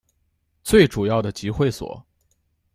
最主要的集会所